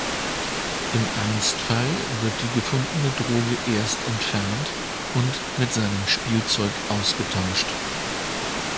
Im Ernstfall wird die gefundene Droge erst entfernt und mit seinem Spielzeug ausgetauscht.